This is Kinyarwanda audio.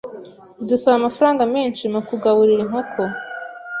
Bidusaba amafaranga menshi mu kugaburira inkoko